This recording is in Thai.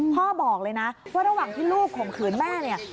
บอกเลยนะว่าระหว่างที่ลูกข่มขืนแม่เนี่ย